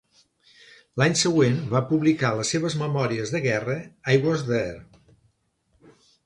L'any següent, va publicar les seves memòries de guerra, "I Was There".